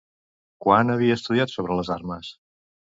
Quan havia estudiat sobre les armes?